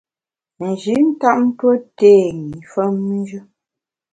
Nji tap tue té i femnjù.